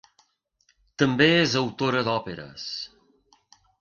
També és autora d'òperes.